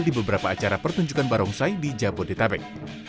di beberapa acara pertunjukan barongsai di jabodetabek